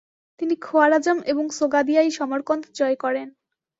তিনি খোয়ারাজম এবং সোগাদিয়ার সমরকন্দ জয় করেন।